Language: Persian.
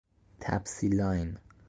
تپسی لاین